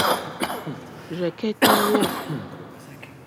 Rzɛ̀kɛ́tɛ́ wɔ̂.